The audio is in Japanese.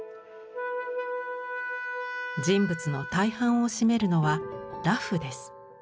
人物の大半を占めるのは裸婦です。